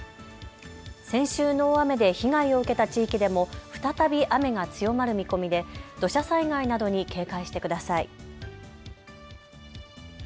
先週の大雨で被害を受けた地域でも再び雨が強まる見込みで土砂災害などに警戒してください。